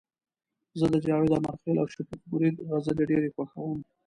زه د جاوید امرخیل او شفیق مرید غزلي ډيري خوښوم